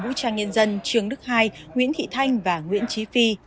vũ trang nhân dân trường đức hai nguyễn thị thanh và nguyễn trí phi